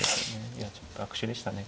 いやちょっと悪手でしたね。